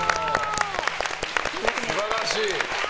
素晴らしい。